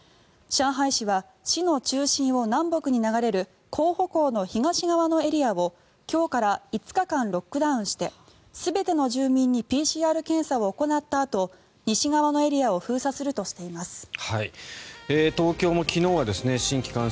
上海市は市の中心を南北に流れる黄浦江の東側のエリアを今日から５日間ロックダウンして全ての住民にＰＣＲ検査を行ったあと西側のエリアを封鎖するとしています。